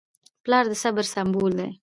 پلار د صبر سمبول دی.